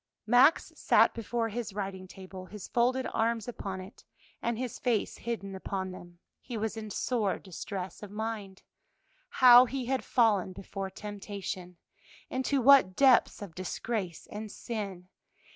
Max sat before his writing table, his folded arms upon it, and his face hidden upon them. He was in sore distress of mind. How he had fallen before temptation! into what depths of disgrace and sin!